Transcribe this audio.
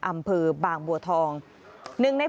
อำเภอบางบัวทอง